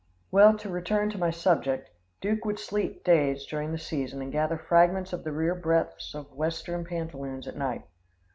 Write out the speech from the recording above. "Well, to return to my subject. Duke would sleep days during the season and gather fragments of the rear breadths of Western pantaloons at night.